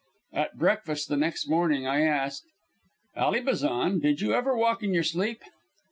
At breakfast the next morning I asked, "Ally Bazan, did you ever walk in your sleep."